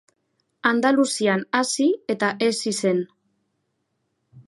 Andaluzian hazi eta hezi zen.